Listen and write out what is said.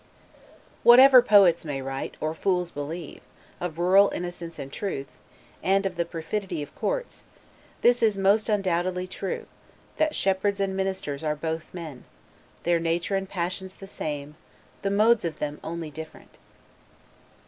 Whatever poets may write, or fools believe, of rural innocence and truth, and of the perfidy of courts, this is most undoubtedly true that shepherds and ministers are both men; their nature and passions the same, the modes of them only different.